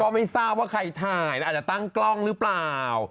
ไม่ทราบว่าใครถ่ายแล้วอาจจะตั้งกล้องหรือเปล่า